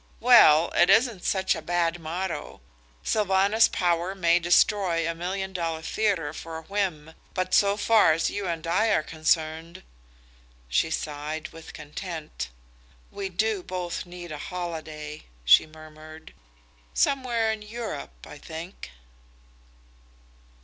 "Well, it isn't such a bad motto. Sylvanus Power may destroy a million dollar theatre for a whim, but so far as you and I are concerned " She sighed with content. "We do both need a holiday," she murmured. "Somewhere in Europe, I think."